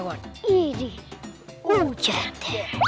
oh ini merabuk gitu